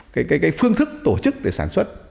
cái phương thức tổ chức để sản xuất